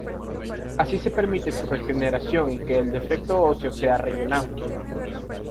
Así se permite su regeneración y que el defecto óseo sea rellenado.